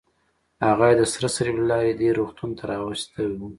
هغه یې د سره صلیب له لارې دې روغتون ته راوستی و.